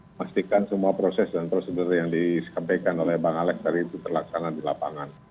memastikan semua proses dan prosedur yang disampaikan oleh bang alex tadi itu terlaksana di lapangan